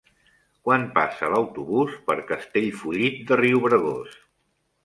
Quan passa l'autobús per Castellfollit de Riubregós?